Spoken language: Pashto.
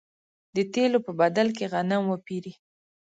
د تېلو په بدل کې غنم وپېري.